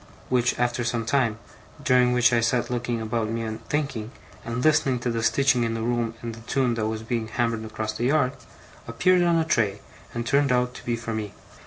which, after some time, during which I sat looking about me and thinking, and listening to the stitching in the room and the tune that was being hammered across the yard, appeared on a tray, and turned out to be for me.